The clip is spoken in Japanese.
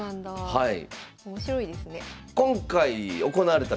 はい。